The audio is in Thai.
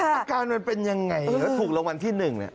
อาการมันเป็นอย่างไรแล้วถูกรางวัลที่หนึ่งนี่